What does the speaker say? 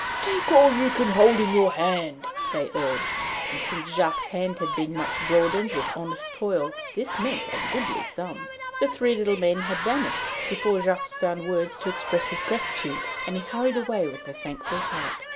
'Take all you can hold in your hand!' they urged, and since Jacques' hand had been much broadened with honest toil, this meant a goodly sum. The three little men had vanished before Jacques found words to express his gratitude, and he hurried away with a thankful heart.